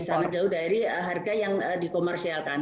sangat jauh dari harga yang dikomersialkan